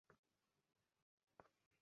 গ্রাহকের সন্তুষ্টি সবার আগে।